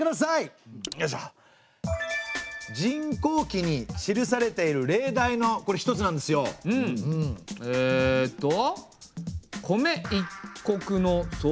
「塵劫記」に記されている例題のこれ一つなんですよ。えっと。